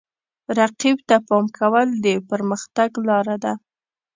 رقیب ته پام کول د پرمختګ لاره ده.